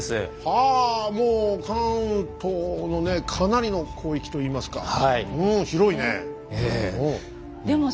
はぁもう関東のねかなりの広域といいますかうん広いねえ。